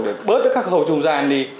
để bớt các khâu trung gian đi